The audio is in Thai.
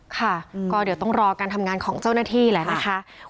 ค่ะก็เดี๋ยวต้องรอการทำงานของเจ้าหน้าที่แหละนะคะ